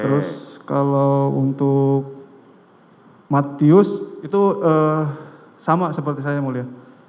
terus kalau untuk matius itu sama seperti saya mulia